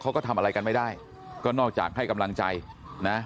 เขาก็ทำอะไรกันไม่ได้ก็นอกจากให้กำลังใจนะ